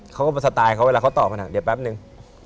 เขาก็ไปสไตล์เขาเวลาเขาตอบคำถามเดี๋ยวแป๊บหนึ่ง